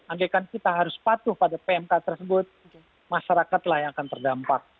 andaikan kita harus patuh pada pmk tersebut masyarakatlah yang akan terdampak